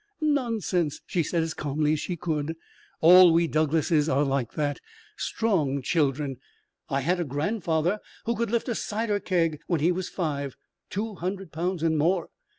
"Nonsense," she said as calmly as she could. "All we Douglases are like that. Strong children. I had a grandfather who could lift a cider keg when he was five two hundred pounds and more.